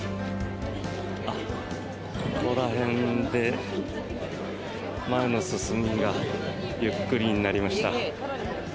ここら辺で、前の進みがゆっくりになりました。